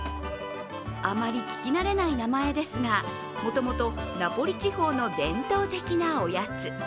あまり聞き慣れない名前ですが、もともとナポリ地方の伝統的なおやつ。